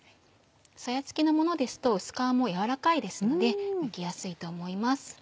さやつきのものですと薄皮も柔らかいですのでむきやすいと思います。